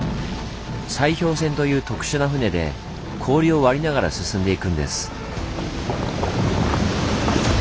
砕氷船という特殊な船で氷を割りながら進んでいくんです。